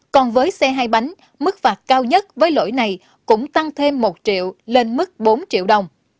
còn với xe hai bánh mức phạt cao nhất với lỗi này cũng tăng thêm một triệu lên mức bốn triệu đồng